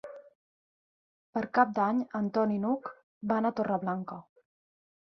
Per Cap d'Any en Ton i n'Hug van a Torreblanca.